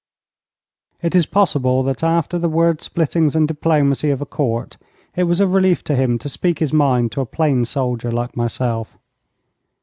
It is possible that, after the word splittings and diplomacy of a Court, it was a relief to him to speak his mind to a plain soldier like myself.